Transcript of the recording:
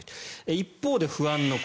一方で不安の声。